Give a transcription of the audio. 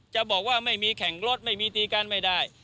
จะบอกว่าไม่มีแข่งรถไม่มีตีกันไม่ได้